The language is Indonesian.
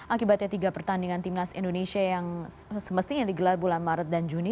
akibatnya tiga pertandingan timnas indonesia yang semestinya digelar bulan maret dan juni